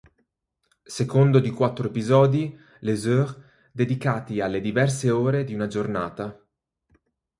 Secondo di quattro episodi, "Les Heures", dedicati alle diverse ore di una giornata.